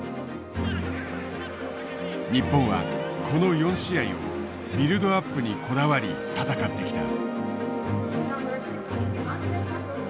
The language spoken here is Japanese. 日本はこの４試合をビルドアップにこだわり戦ってきた。